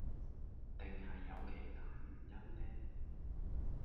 定係有其他原因呢